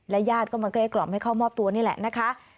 ญาติก็มาเกลี้กล่อมให้เข้ามอบตัวนี่แหละนะคะ